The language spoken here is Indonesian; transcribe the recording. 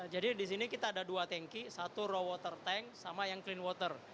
jadi di sini kita ada dua tanki satu raw water tank sama yang clean water